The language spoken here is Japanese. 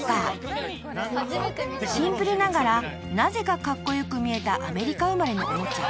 ［シンプルながらなぜかカッコ良く見えたアメリカ生まれのおもちゃ］